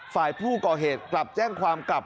ฝ่ายผู้ก่อเหตุกลับแจ้งความกลับ